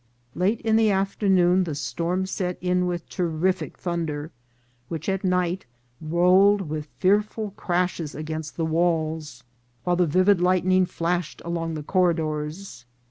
Late in the afternoon the storm set in with terrific thunder, which at night rolled with fearful crashes against the walls, while the vivid lightning flashed along the corridors.